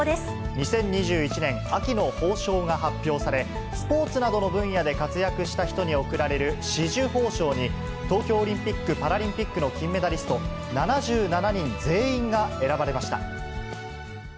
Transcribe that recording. ２０２１年秋の褒章が発表され、スポーツなどの分野で活躍した人に贈られる紫綬褒章に、東京オリンピック・パラリンピックの金メダリスト、７７人全員が選ばれました。